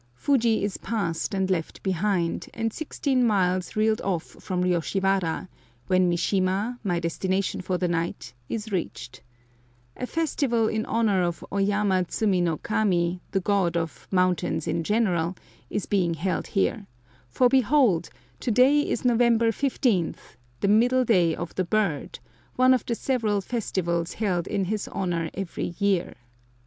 Fuji is passed and left behind, and sixteen miles reeled off from Yoshiwara, when Mishima, my destination for the night, is reached. A festival in honor of Oyama tsumi no Kami, the god of "mountains in general," is being held here; for, behold, to day is November 15th, the "middle day of the bird," one of the several festivals held in his honor every year.